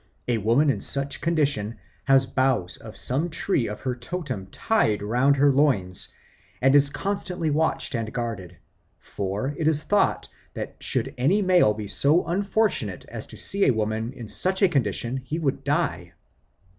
A woman in such a condition has boughs of some tree of her totem tied round her loins, and is constantly watched and guarded, for it is thought that should any male be so unfortunate as to see a woman in such a condition, he would die.